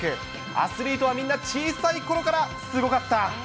アスリートはみんな小さいころからすごかった。